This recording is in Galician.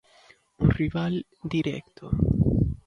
Un rival directo.